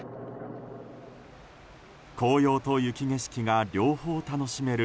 紅葉と雪景色が両方楽しめる